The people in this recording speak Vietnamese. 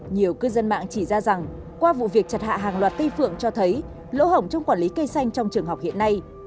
nhiều cư dân mạng chỉ ra rằng qua vụ việc chặt hạ hàng loạt cây phượng cho thấy lỗ hổng trong quản lý cây xanh trong trường học hiện nay